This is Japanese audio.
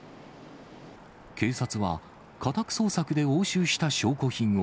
警察は家宅捜索で押収した証拠品を。